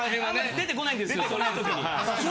出てこないんですよ。